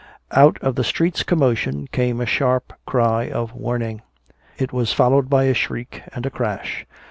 Out of the street's commotion came a sharp cry of warning. It was followed by a shriek and a crash.